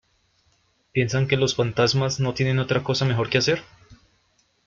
¿Piensan que los fantasmas no tienen otra cosa mejor que hacer?